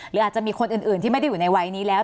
หรืออาจจะมีคนอื่นที่ไม่ได้อยู่ในวัยนี้แล้ว